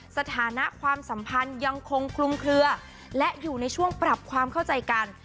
สถานะความสัมพันธ์ยังคงคลุมเคลือและอยู่ในช่วงปรับความเข้าใจกัน